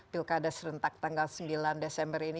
pilkada serentak tanggal sembilan desember ini